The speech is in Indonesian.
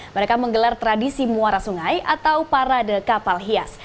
mereka menggelar tradisi muara sungai atau parade kapal hias